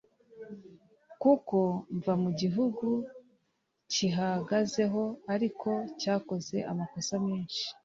kuko mva mu gihugu kihagazeho ariko cyakoze amakosa menshi